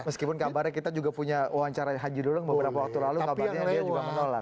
meskipun kabarnya kita juga punya wawancara haji dulu beberapa waktu lalu kabarnya dia juga menolak